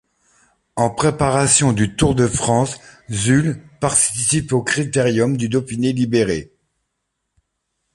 En préparation du Tour de France, Zülle participe au Critérium du Dauphiné libéré.